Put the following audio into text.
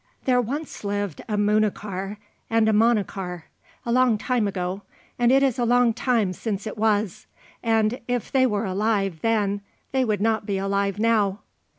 There once lived a Munachar and a Manachar, a long time ago, and it is a long time since it was, and if they were alive then they would not be alive now.